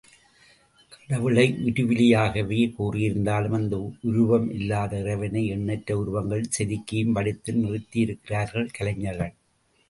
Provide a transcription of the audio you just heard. கடவுளை உருவிலியாகவே கூறியிருந்தாலும், அந்த உருவம் இல்லாத இறைவனை எண்ணற்ற உருவங்களில் செதுக்கியும், வடித்தும் நிறுத்தி இருக்கிறார்கள் கலைஞர்கள்.